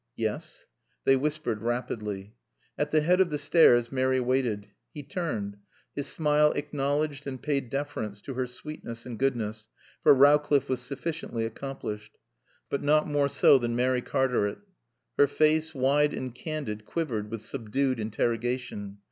"Yes." They whispered rapidly. At the head of the stairs Mary waited. He turned. His smile acknowledged and paid deference to her sweetness and goodness, for Rowcliffe was sufficiently accomplished. But not more so than Mary Cartaret. Her face, wide and candid, quivered with subdued interrogation.